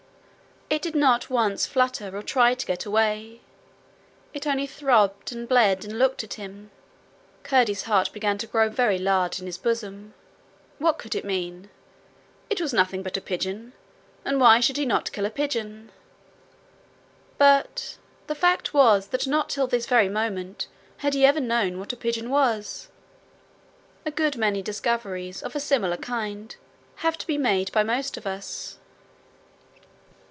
It did not once flutter or try to get away; it only throbbed and bled and looked at him. Curdie's heart began to grow very large in his bosom. What could it mean? It was nothing but a pigeon, and why should he not kill a pigeon? But the fact was that not till this very moment had he ever known what a pigeon was. A good many discoveries of a similar kind have to be made by most of us.